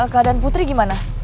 keadaan putri gimana